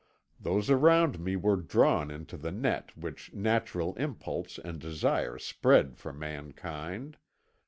Those around me were drawn into the net which natural impulse and desire spread for mankind.